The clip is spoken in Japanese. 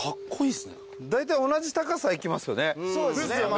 だいたい同じ高さいきますよね。